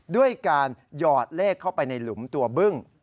ด้วยการหยอดเลขเข้าไปในหลุมตัวบึ้ง